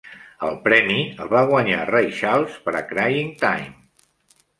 El premi el va guanyar Ray Charles per "Crying Time".